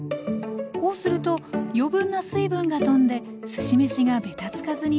こうすると余分な水分がとんですし飯がベタつかずに仕上がります